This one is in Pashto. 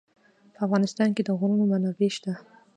په افغانستان کې د غرونه منابع شته.